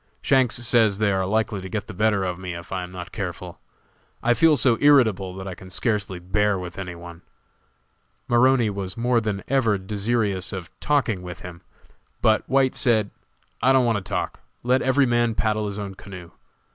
Shanks says they are likely to get the better of me if I am not careful. I feel so irritable that I can scarcely bear with any one." Maroney was more than ever desirous of talking with him, but White said: "I don't want to talk; let every man paddle his own canoe.